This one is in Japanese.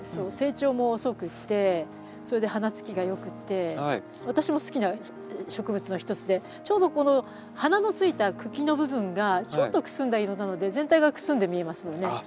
成長も遅くってそれで花つきが良くって私も好きな植物の一つでちょうどこの花のついた茎の部分がちょっとくすんだ色なので全体がくすんで見えますもんね。